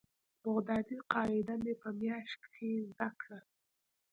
بغدادي قاعده مې په مياشت کښې زده کړه.